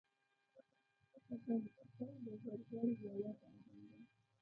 شپږم:سل د زرګر یوه د اهنګر